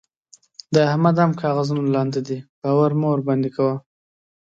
د احمد هم کاغذونه لانده دي؛ باور مه ورباندې کوه.